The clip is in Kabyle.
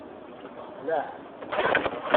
Qleɛ!